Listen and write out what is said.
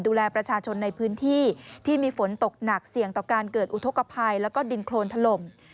ดูแลประชาชนในพื้นที่ที่มีฝนตกหนักเสี่ยงต่อการเกิดอุทธกภัยแล้วก็ดินโครนถล่ม